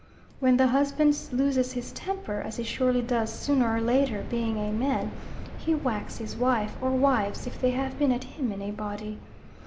When the husband loses his temper, as he surely does sooner or later, being a man, he whacks his wife or wives, if they have been at him in a body.